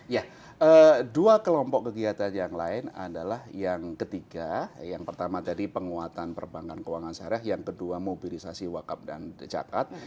ya dua kelompok kegiatan yang lain adalah yang ketiga yang pertama tadi penguatan perbankan keuangan syarah yang kedua mobilisasi wakap dan zakat